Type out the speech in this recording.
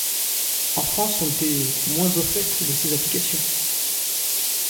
En France, on était moins au fait de ces applications.